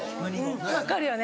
分かるよね。